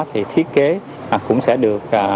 thì thiết kế cũng sẽ được